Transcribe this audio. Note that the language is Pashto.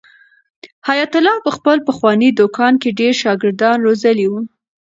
حیات الله په خپل پخواني دوکان کې ډېر شاګردان روزلي وو.